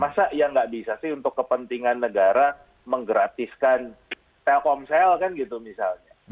masa ya nggak bisa sih untuk kepentingan negara menggratiskan telkomsel kan gitu misalnya